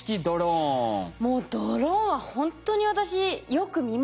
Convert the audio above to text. もうドローンはほんとに私よく見ますね。